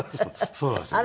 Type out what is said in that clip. そうなんですよね。